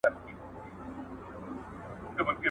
بریالیتوب په کره معلوماتو پورې اړه لري.